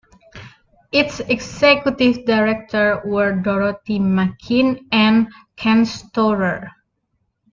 Its executive directors were Dorothy Makin and Ken Storer.